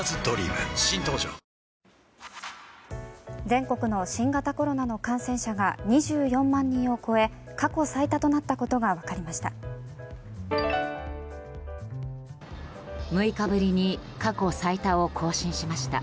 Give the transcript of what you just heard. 全国の新型コロナの感染者が２４万人を超え過去最多となったことが分かりました。